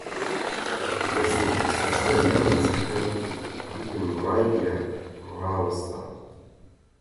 دەستم خستە سەر دەمانچەکەم، گوتم ڕایگرە! ڕاوەستا